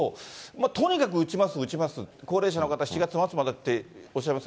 とにかく打ちます、打ちます、高齢者の方は７月末までっておっしゃいます。